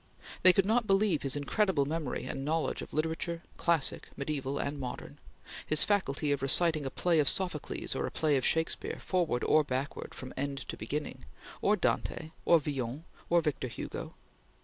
They could not believe his incredible memory and knowledge of literature, classic, mediaeval, and modern; his faculty of reciting a play of Sophocles or a play of Shakespeare, forward or backward, from end to beginning; or Dante, or Villon, or Victor Hugo.